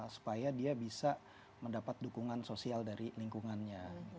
supaya dia bisa mendapat dukungan sosial dari lingkungannya